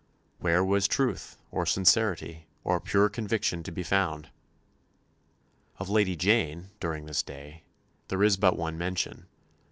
Where was truth, or sincerity, or pure conviction to be found? Of Lady Jane, during this day, there is but one mention.